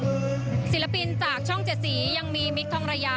ภาพที่คุณผู้ชมเห็นอยู่นี้นะคะบรรยากาศหน้าเวทีตอนนี้เริ่มมีผู้แทนจำหน่ายไปจองพื้นที่